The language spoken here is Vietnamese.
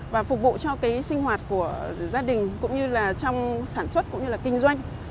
và phục vụ cho sinh hoạt của gia đình cũng như trong sản xuất cũng như kinh doanh